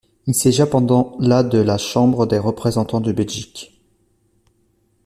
Il siégea pendant la de la Chambre des représentants de Belgique.